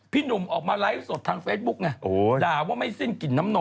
หนุ่มออกมาไลฟ์สดทางเฟซบุ๊กไงด่าว่าไม่สิ้นกลิ่นน้ำนม